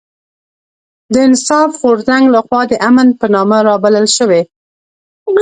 د انصاف غورځنګ لخوا د امن په نامه رابلل شوې